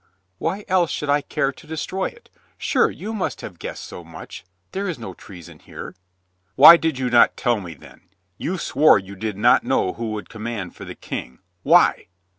Why else should I care to destroy it? Sure, you must have guessed so much. There is no treason here." "Why did you not tell me, then ? You swore you did not know who would command for the King. Why?"